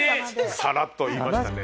さらっと言いましたね。